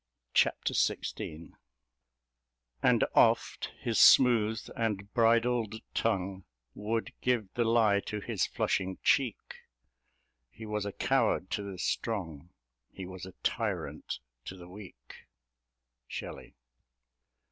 Chapter XVI And oft his smooth and bridled tongue Would give the lie to his flushing cheek: He was a coward to the strong: He was a tyrant to the weak. SHELLEY.